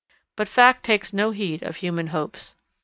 But fact takes no heed of human hopes.